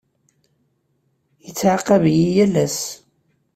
Yettɛaqab-iyi yal ass.